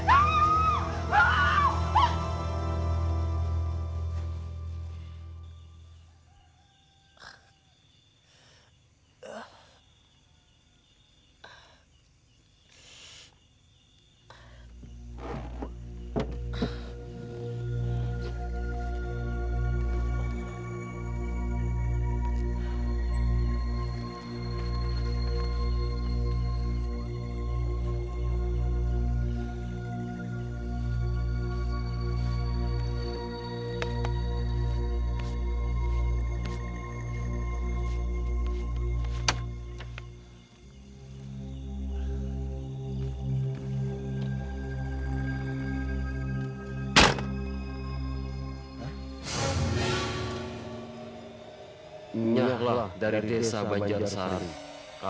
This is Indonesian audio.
sampai jumpa di video selanjutnya